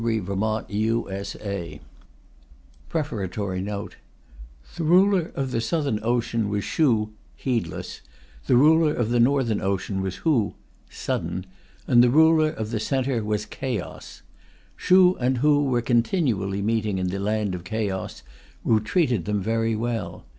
THE OUTLOOK FOR CHINA APPENDIX INDEX The Ruler of the Southern Ocean was Shû (Heedless), the Ruler of the Northern Ocean was Hû (Sudden), and the Ruler of the Centre was Chaos. Shû and Hû were continually meeting in the land of Chaos, who treated them very well.